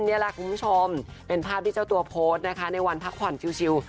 นี่แหละคุณผู้ชมเป็นภาพที่เจ้าตัวโพสต์นะคะในวันพักผ่อนชิว